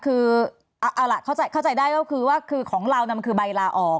คือเอาล่ะเข้าใจได้ก็คือว่าคือของเรามันคือใบลาออก